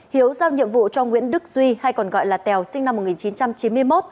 hiếu giao nhiệm vụ cho nguyễn đức duy hay còn gọi là tèo sinh năm một nghìn chín trăm chín mươi một